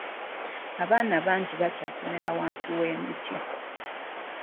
Abaana bangi bakyasomera wansi w'emiti